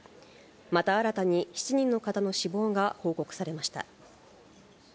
また新たに７人の方の死亡が報告されました。